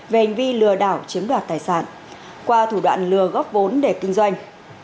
về hành vi lừa đảo chiếm đoạt tài sản qua thủ đoạn lừa góp vốn để kinh doanh